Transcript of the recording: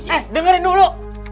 eh dengerin dulu